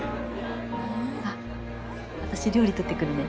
私料理取ってくるね。